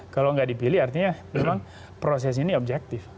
kalau nggak dipilih artinya memang proses ini objektif